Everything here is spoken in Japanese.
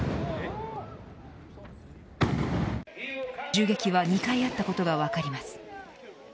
銃撃は２回あったことが分かります。